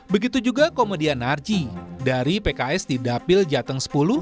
begitu juga komedia narji dari pks di dapil jatim x